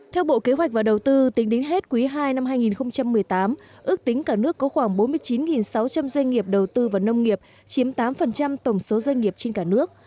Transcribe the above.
theo bộ kế hoạch và đầu tư tính đến hết quý ii năm hai nghìn một mươi tám ước tính cả nước có khoảng bốn mươi chín sáu trăm linh doanh nghiệp đầu tư vào nông nghiệp chiếm tám tổng số doanh nghiệp trên cả nước